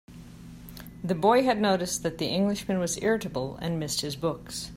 The boy had noticed that the Englishman was irritable, and missed his books.